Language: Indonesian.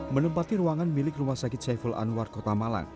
menempati ruangan milik rumah sakit saiful anwar kota malang